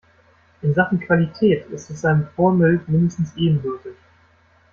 In Sachen Qualität ist es seinem Vorbild mindestens ebenbürtig.